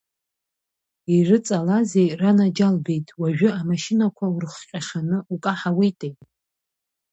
Ирыҵалазеи, ранаџьалбеит, уажәы амашьынақәа урыхҟьашаны укаҳауеитеи…